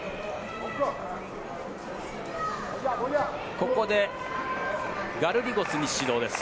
ここでガルリゴスに指導です。